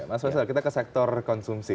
mas faisal kita ke sektor konsumsi